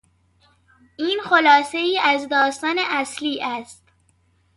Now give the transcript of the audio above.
این خلاصهای از داستان اصلی است.